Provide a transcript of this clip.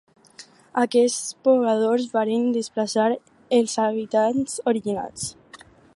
Aquests pobladors varen desplaçar els habitants originals.